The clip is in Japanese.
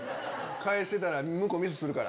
返せたら向こうミスするから。